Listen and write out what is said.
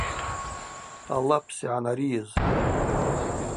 Алапс йгӏанарийыз.